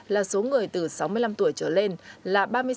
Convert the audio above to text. là số người từ sáu mươi năm tuổi trở lên là ba mươi sáu hai trăm hai mươi người